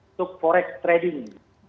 untuk forex trading